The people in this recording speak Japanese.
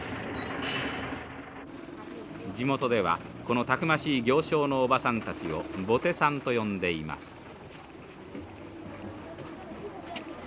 地元ではこのたくましい行商のおばさんたちをボテさんと呼んでいます。